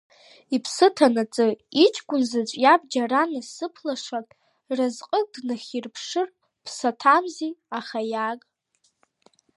Иԥсы ҭанаҵы, иҷкәынзаҵә иаб џьара насыԥ лашак, разҟык днахьирԥшыр ԥсаҭамзи, аха иааг…